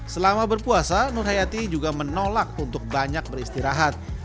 selama berpuasa nur hayati juga menolak untuk banyak beristirahat